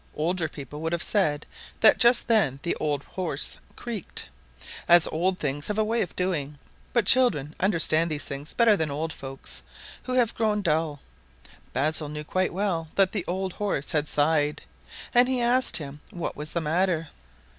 Older people would have said that just then the old horse creaked as old things have a way of doing. But children understand these things better than old folks who have grown dull. Basil knew quite well that the old horse had sighed, and he asked him what was the matter.